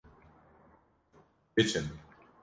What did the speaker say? Biçin!